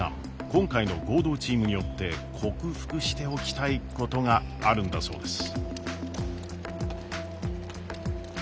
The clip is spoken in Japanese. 今回の合同チームによって克服しておきたいことがあるんだそうです。